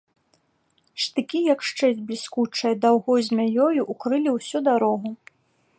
Штыкі, як шчэць бліскучая, даўгой змяёю ўкрылі ўсю дарогу.